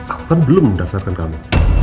aku kan belum daftarkan kamu